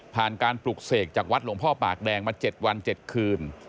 การปลุกเสกจากวัดหลวงพ่อปากแดงมา๗วัน๗คืน